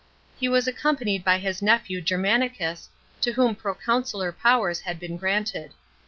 He was accompanied by his nephew Germanicus, to whom proconsular powers had been granted.